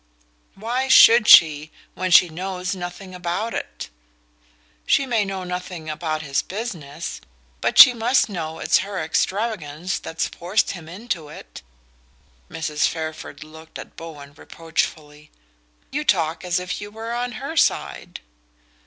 "Why should she, when she knows nothing about it?" "She may know nothing about his business; but she must know it's her extravagance that's forced him into it." Mrs. Fairford looked at Bowen reproachfully. "You talk as if you were on her side!"